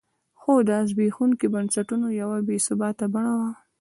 خو دا د زبېښونکو بنسټونو یوه بې ثباته بڼه وه.